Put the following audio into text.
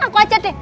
aku ajar deh